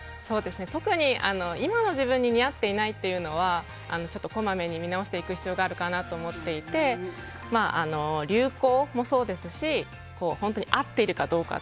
特に今の自分に似合っていないというのはこまめに見直していく必要があるかなと思っていて流行もそうですし本当に合っているかどうか。